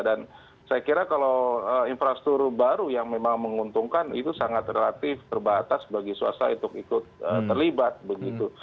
dan saya kira kalau infrastruktur baru yang memang menguntungkan itu sangat relatif terbatas bagi swasta itu terlibat begitu